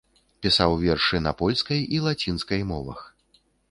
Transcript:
Пісаў вершы на польскай і лацінскай мовах.